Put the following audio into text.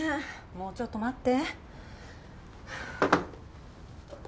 もうちょっと待って。